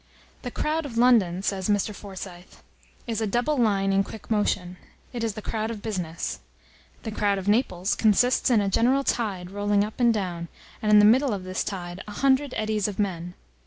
"The crowd of London," says Mr. Forsyth, "is a double line in quick motion; it is the crowd of business. The crowd of Naples consists in a general tide rolling up and down, and in the middle of this tide, a hundred eddies of men.